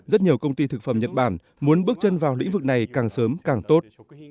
rất nhiều công ty thực phẩm nhật bản muốn bước chân vào lĩnh vực này càng sớm càng tốt